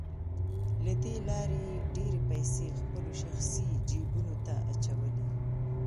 له دې لارې يې ډېرې پيسې خپلو شخصي جيبونو ته اچولې.